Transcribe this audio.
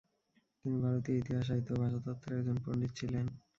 তিনি ভারতীয় ইতিহাস, সাহিত্য ও ভাষাতত্ত্বের একজন পণ্ডিত ছিলেন।